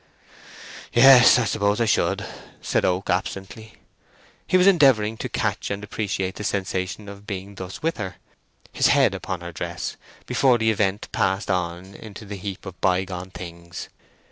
"Yes I suppose I should," said Oak, absently. He was endeavouring to catch and appreciate the sensation of being thus with her, his head upon her dress, before the event passed on into the heap of bygone things.